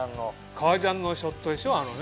革ジャンのショットでしょ？